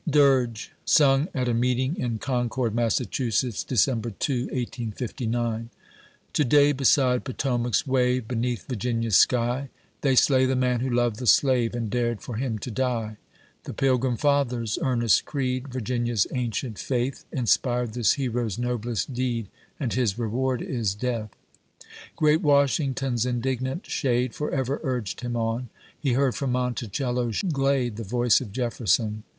DIRQE. D I B Q B SuTig at a Meeting in Concord, Mas*., Sec. 2, 1859. To day, beside Potomac's wave, Beneath Virginia's sky, They slay the man who loved the slave, And dared for him to die. The Pilgrim Fathers' earnest creed, Virginia's ancient faith, Inspired this hero's noblest deed, And his reward is — Death ! Great Washington's indignant shade For ever urged him on — He heard from MonticelJo's glade The voice of Jefferson.